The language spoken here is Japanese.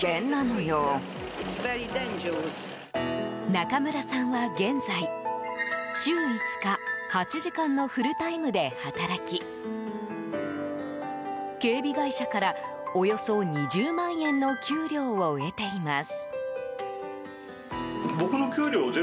中村さんは現在週５日８時間のフルタイムで働き警備会社から、およそ２０万円の給料を得ています。